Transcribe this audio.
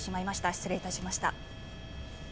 失礼いたしました。